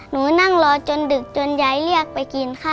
หนูนั่งรอจนดึกจนย้ายเรียกไปกินข้าวค่ะ